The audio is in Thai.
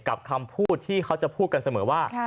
คำพูดที่เขาจะพูดกันเสมอว่า